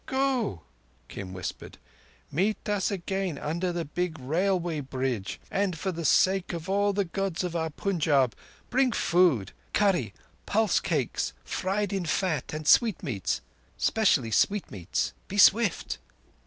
"Go," Kim whispered. "Meet us again under the big railway bridge, and for the sake of all the Gods of our Punjab, bring food—curry, pulse, cakes fried in fat, and sweetmeats. Specially sweetmeats. Be swift!"